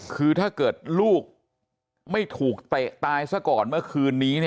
คือถ้าเกิดลูกไม่ถูกเตะตายซะก่อนเมื่อคืนนี้